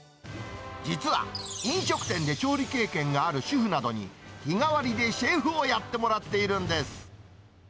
実は、飲食店で調理経験がある主婦などに、日替わりでシェフをやってもらっているんです。